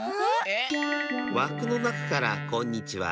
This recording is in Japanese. わくのなかからこんにちは。